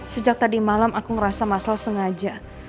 sejak tadi malam aku ngerasa muscle sengaja